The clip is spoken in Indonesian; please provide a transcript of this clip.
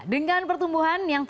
dengan pertumbuhan yang